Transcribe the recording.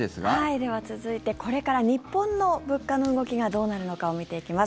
では、続いてこれから日本の物価の動きがどうなるのかを見ていきます。